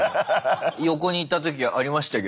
横にいた時ありましたけどね。